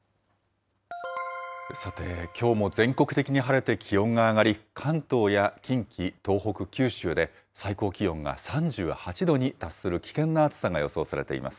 さて、きょうも全国的に晴れて気温が上がり、関東や近畿、東北、九州で最高気温が３８度に達する危険な暑さが予想されています。